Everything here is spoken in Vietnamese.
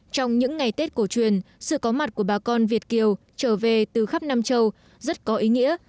trong những ngày tết cổ truyền sự có mặt của bà con việt kiều trở về từ khắp nam châu rất có ý nghĩa